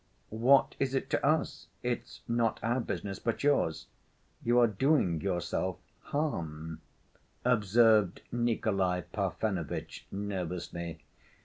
"What is it to us? It's not our business, but yours. You are doing yourself harm," observed Nikolay Parfenovitch nervously.